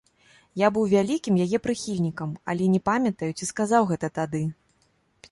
Я быў вялікім яе прыхільнікам, але не памятаю, ці сказаў гэта тады.